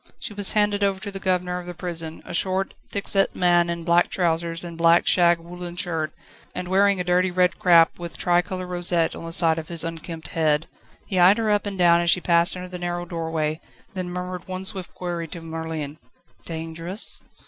She was handed over to the governor of the prison, a short, thick set man in black trousers and black shag woollen shirt, and wearing a dirty red cap, with tricolour rosette on the side of his unkempt head. He eyed her up and down as she passed under the narrow doorway, then murmured one swift query to Merlin: "Dangerous?"